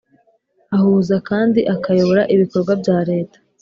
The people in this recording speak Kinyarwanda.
Ahuza kandi akayobora ibikorwa bya leta